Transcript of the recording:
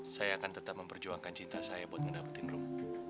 saya akan tetap memperjuangkan cinta saya buat ngedapetin room